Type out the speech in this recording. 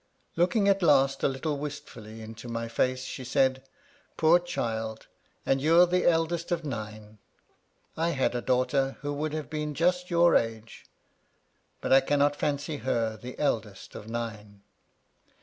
Looking at last a little wistfiiUy into my faccj she said —" Poor child I And you're the eldest of nine! I had a daughter who would have been just your age ; but I cannot fancy her the eldest of nine."